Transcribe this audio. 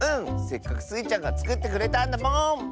せっかくスイちゃんがつくってくれたんだもん！